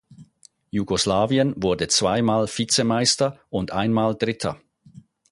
Jugoslawien wurde zweimal Vizemeister und einmal Dritter.